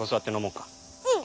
うん。